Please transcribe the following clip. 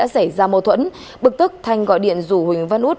xảy ra mâu thuẫn bực tức thanh gọi điện rủ huỳnh văn út